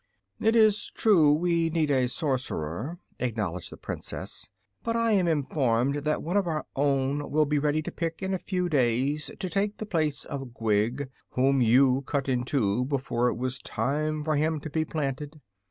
"It is true we need a Sorcerer," acknowledged the Princess, "but I am informed that one of our own will be ready to pick in a few days, to take the place of Gwig, whom you cut in two before it was time for him to be planted.